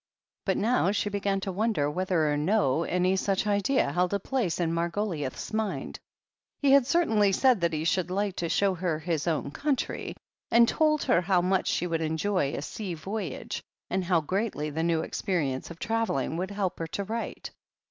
But now she began to wonder whether or no any such idea held a place in Margo liouth's mind. He had certainly said that he should like to show her his own country, and told her how much she would enjoy a sea voyage and how greatly the new experience of travelling would help her to write.